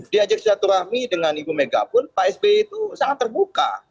diajak silaturahmi dengan ibu megapun pak spi itu sangat terbuka